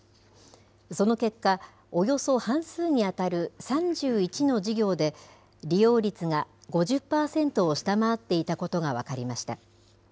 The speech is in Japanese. その結果、およそ半数に当たる３１の事業で、利用率が５０％を下回っていたことが分かりました。